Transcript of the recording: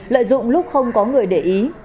lợi dụng lúc không có người để ý